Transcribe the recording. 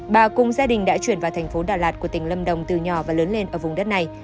bà cùng gia đình đã chuyển vào thành phố đà lạt của tỉnh lâm đồng từ nhỏ và lớn lên ở vùng đất này